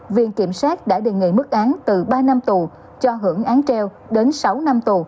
viện kiểm sát đã đề nghị mức án từ ba năm tù cho hưởng án treo đến sáu năm tù